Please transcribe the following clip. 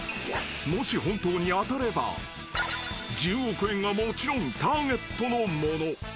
［もし本当に当たれば１０億円はもちろんターゲットのもの］